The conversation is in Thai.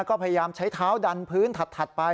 ก็พยายามใช้เท้าดันพื้นถัดไป